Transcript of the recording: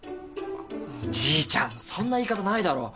じいちゃんそんな言い方ないだろ。